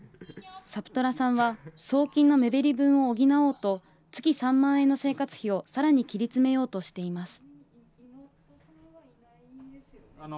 サプトラさんは送金の目減り分を補おうと、月３万円の生活費をさらに切り詰めようとしています。